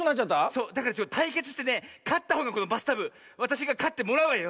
そうだからたいけつしてねかったほうがこのバスタブわたしがかってもらうわよ。